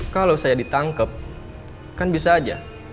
kalau saya ditangkap kan bisa aja